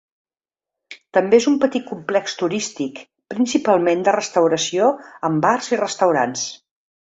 També és un petit complex turístic, principalment de restauració amb bars i restaurants.